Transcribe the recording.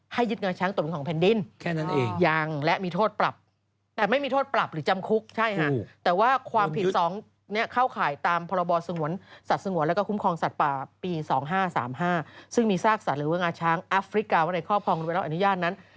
ให้ยึดงานช้างตกเป็นของแผนดินเหี่ยว